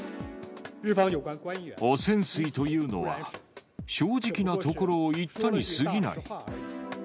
汚染水というのは、正直なところを言ったに過ぎない。